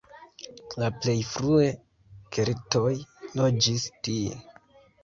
La plej frue keltoj loĝis tie.